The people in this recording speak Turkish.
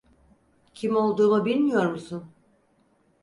Kim olduğumu bilmiyor musun?